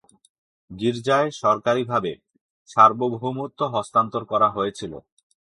গির্জায় সরকারিভাবে সার্বভৌমত্ব হস্তান্তর করা হয়েছিল।